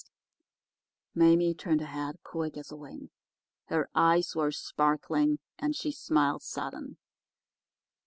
"Mame turned her head quick as a wing. Her eyes were sparkling and she smiled sudden.